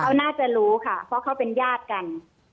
เขาน่าจะรู้ค่ะเพราะเขาเป็นญาติกัน